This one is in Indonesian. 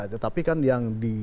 tetapi kan yang di